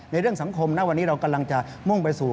เรื่องสังคมนะวันนี้เรากำลังจะมุ่งไปสู่